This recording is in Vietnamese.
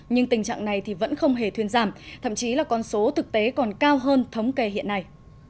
nhưng tình trạng này vẫn không hề thuyên giảm thậm chí là con số thực tế còn cao hơn thống kê hiện nay